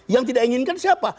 yang tidak inginkan siapa